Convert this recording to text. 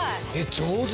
上手！